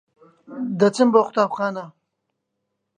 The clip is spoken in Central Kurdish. دەچم بۆ قوتابخانە.